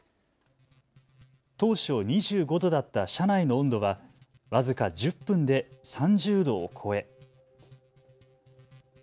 当初２５度だった車内の温度は僅か１０分で３０度を超え。